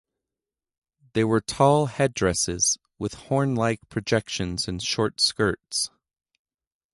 They were tall headdresses with hornlike projections and short skirts.